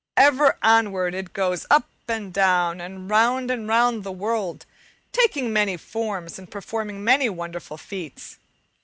Ever onwards it goes, up and down, and round and round the world, taking many forms, and performing many wonderful feats.